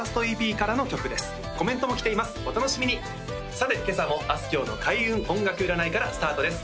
さて今朝もあすきょうの開運音楽占いからスタートです